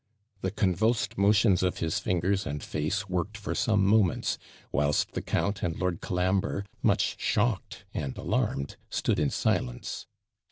The convulsed motions of his fingers and face worked for some moments; whilst the count and Lord Colambre, much shocked and alarmed, stood in silence.